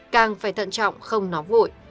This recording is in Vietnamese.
càng phải thận trọng không nóng gội